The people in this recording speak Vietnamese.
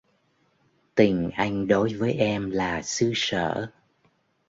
Tình anh đối với em là xứ sở